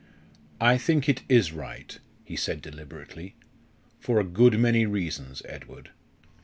"I think it is right," he said deliberately, " for a good many reasons, Edward.